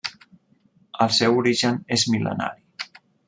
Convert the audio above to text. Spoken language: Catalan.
El seu origen és mil·lenari.